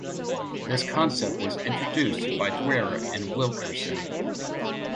This concept was introduced by Dwyer and Wilkerson.